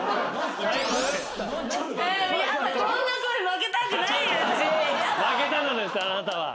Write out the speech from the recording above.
負けたのですあなたは。